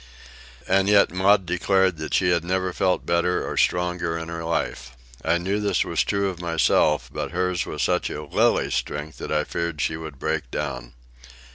And yet Maud declared that she had never felt better or stronger in her life. I knew this was true of myself, but hers was such a lily strength that I feared she would break down.